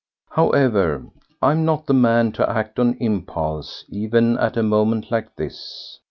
However, I am not the man to act on impulse, even at a moment like this.